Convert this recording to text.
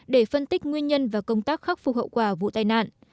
để phân tích nguyên nhân và công tác khắc phục hậu quả vụ tai nạn